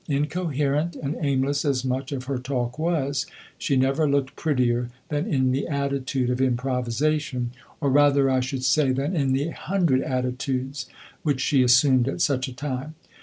Incoherent and aimless as much of her talk was, she never looked prettier than in the attitude of improvisation or rather, I should say, than in the hundred attitudes which she assumed at such a time.